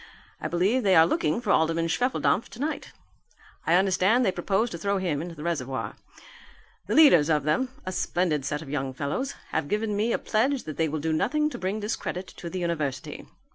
I believe they are looking for Alderman Schwefeldampf tonight. I understand they propose to throw him into the reservoir. The leaders of them a splendid set of young fellows have given me a pledge that they will do nothing to bring discredit on the university."